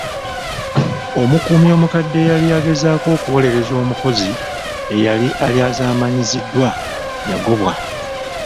Omukuumi omukadde eyali agezaako okuwolereza omukozi eyali alyazaamanyiziddwa yagobwa.